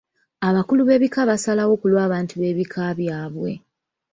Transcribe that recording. Abakulu b'ebika basalawo ku lw'abantu beebika byabwe.